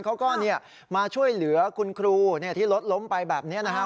เขาก็มาช่วยเหลือคุณครูที่รถล้มไปแบบนี้นะครับ